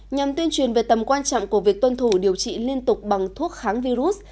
nhằm tuyên truyền về tầm quan trọng của việc tuân thủ điều trị liên tục bằng thuốc kháng virus